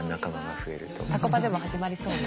タコパでも始まりそうな。